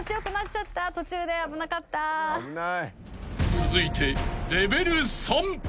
［続いてレベル３］